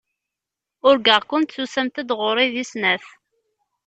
Urgaɣ-kent tusamt-d ɣur-i di snat.